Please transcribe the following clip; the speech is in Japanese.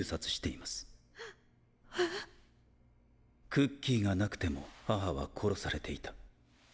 クッキーがなくても母は殺されていた。